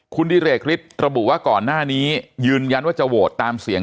คุณดิเรกฤทธิ์ระบุว่าก่อนหน้านี้ยืนยันว่าจะโหวตตามเสียง